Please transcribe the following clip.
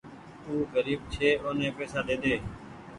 او گريب ڇي اوني پئيسا ڏيڌي۔